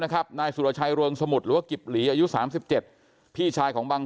นายสุรชัยเริงสมุทรหรือว่ากิบหลีอายุ๓๗พี่ชายของบัง